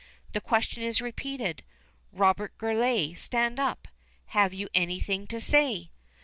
The question is repeated: "Robert Gourlay stand up! Have you anything to say?"